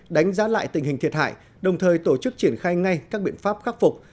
đánh giá lại tình hình thiệt hại đồng thời tổ chức triển khai ngay các biện pháp khắc phục